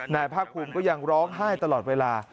นายภาคภูมิก็ยังร้องไห้ตลอดเวลา